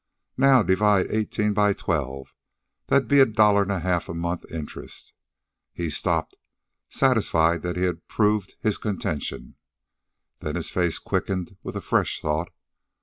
Now divide eighteen by twelve, that'd be a dollar an' a half a month interest." He stopped, satisfied that he had proved his contention. Then his face quickened with a fresh thought.